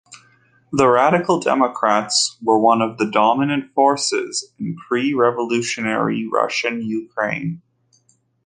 The Radical Democrats were one of the dominant forces in pre-revolutionary Russian Ukraine.